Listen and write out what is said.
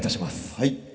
はい。